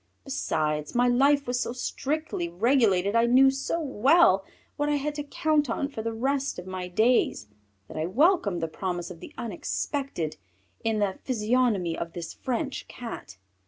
Besides my life was so strictly regulated, I knew so well what I had to count on for the rest of my days, that I welcomed the promise of the unexpected in the physiognomy of this French Cat.